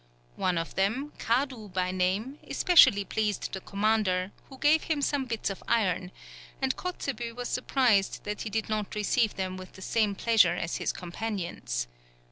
One of them, Kadu by name, especially pleased the commander, who gave him some bits of iron, and Kotzebue was surprised that he did not receive them with the same pleasure as his companions.